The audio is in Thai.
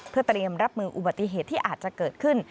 เพื่อเตรียมรับมืออุบัติเหตุที่อาจจะเกิดขึ้น